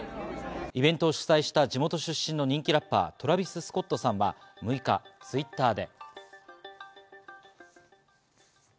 イベントを主催した地元出身の人気ラッパー、トラビス・スコットさんは６日、Ｔｗｉｔｔｅｒで。